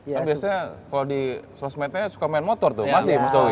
kan biasanya kalau di sosmednya suka main motor tuh masih mas taufik